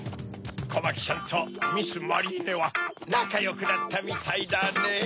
コマキちゃんとミス・マリーネはなかよくなったみたいだねぇ。